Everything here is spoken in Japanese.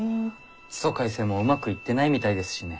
地租改正もうまくいってないみたいですしね。